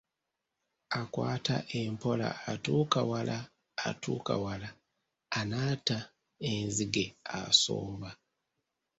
Akwata empola atuuka wala atuuka wala, anatta enzige asooba.